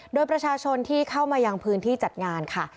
โดยประชาชนที่เข้ามายังพื้นที่จัดงานค่ะ